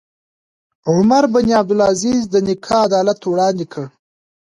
عمر بن عبدالعزیز د نیکه عدالت وړاندې کړ.